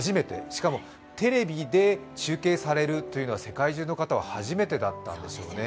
しかもテレビで中継されるというのは、世界中の方は初めてだったんでしょうね。